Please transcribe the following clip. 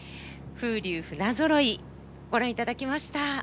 「風流船揃」ご覧いただきました。